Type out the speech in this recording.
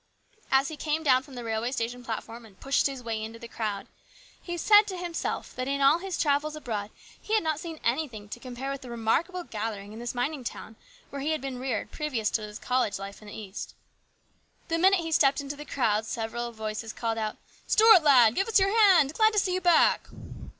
As he came down from the railway station platform and pushed his way into the crowd, he said to himself that in all his travels THE GREAT STRIKE. II abroad he had not seen anything to compare with the remarkable gathering in this mining town where he had been reared previous to his college life in the East. The minute he stepped into the crowd several voices called out, " Stuart, lad, give us your hand ! Glad to see you back